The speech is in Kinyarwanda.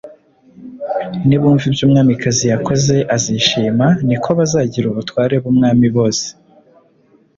nibumva ibyo umwamikazi yakoze azishima ni ko bazagira abatware b’umwami bose